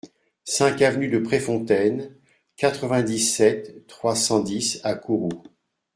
cinq avenue de Préfontaine, quatre-vingt-dix-sept, trois cent dix à Kourou